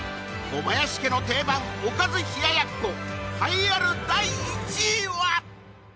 小林家の定番おかず冷奴栄えある第１位は！